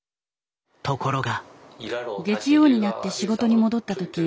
ところが。